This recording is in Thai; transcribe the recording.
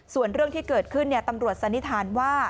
ส่วนเรื่องที่เกิดขึ้นตำรวจสันนิษฐานว่า